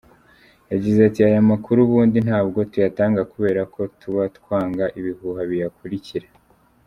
Yagize ati “Aya makuru ubundi ntabwo tuyatanga kubera ko tuba twanga ibihuha biyakurikira.